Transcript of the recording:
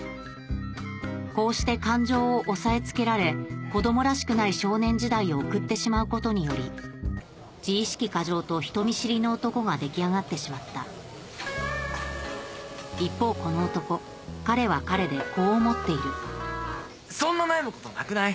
こうして感情を抑えつけられ子供らしくない少年時代を送ってしまうことにより自意識過剰と人見知りの男が出来上がってしまった一方この男彼は彼でこう思っている「そんな悩むことなくない？」